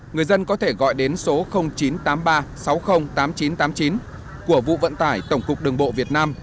người dân có thể gọi đến số chín trăm tám mươi ba sáu mươi tám nghìn chín trăm tám mươi chín của vụ vận tải tổng cục đường bộ việt nam